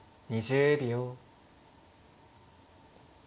２０秒。